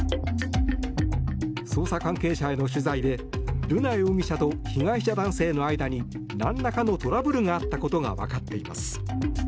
捜査関係者への取材で瑠奈容疑者と被害者男性の間になんらかのトラブルがあったことがわかっています。